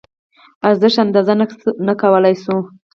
ارزش اندازه نه کولی شو.